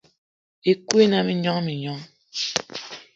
Ekut ine mindjong mindjong.